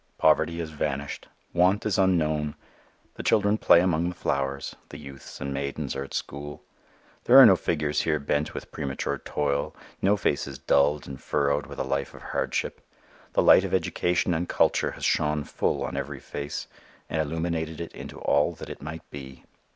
Poverty has vanished. Want is unknown. The children play among the flowers. The youths and maidens are at school. There are no figures here bent with premature toil, no faces dulled and furrowed with a life of hardship. The light of education and culture has shone full on every face and illuminated it into all that it might be.